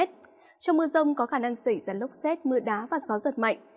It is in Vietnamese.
trong mưa rông có khả năng xảy ra lốc xét mưa đá và gió giật mạnh